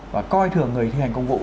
và coi thường người thi hành công vụ